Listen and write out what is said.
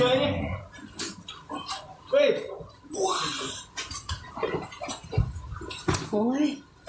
เฮ้ย